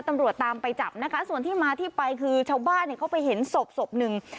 ตำรวจตามไปจับนะคะส่วนที่มาที่ไปคือชาวบ้านเนี่ยเขาไปเห็นศพศพหนึ่ง